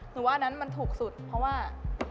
ว่าอันนั้นมันถูกสุดเพราะว่า